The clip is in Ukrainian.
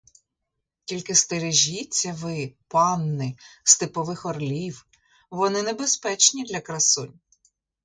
Тільки стережіться ви, панни, степових орлів: вони небезпечні для красунь.